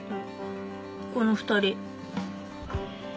この２人。